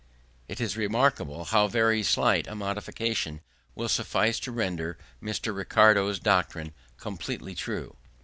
It is remarkable how very slight a modification will suffice to render Mr. Ricardo's doctrine completely true.